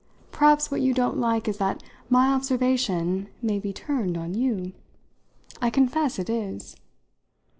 Perhaps what you don't like is that my observation may be turned on you. I confess it is."